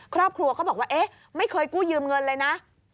ครอบครัวก็บอกว่าเอ๊ะไม่เคยกู้ยืมเงินเลยนะ